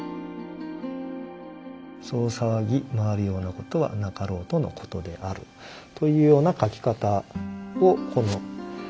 「そう騒ぎ回るようなことはなかろうとの事である」というような書き方をこの新聞はしていますね。